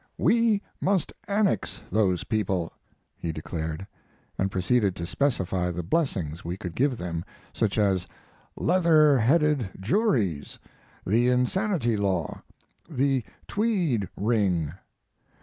"We must annex those people," he declared, and proceeded to specify the blessings we could give them, such as "leather headed juries, the insanity law, and the Tweed Ring."